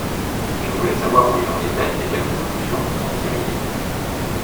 Je voulais savoir où il en était et quelles conclusions vous en tiriez.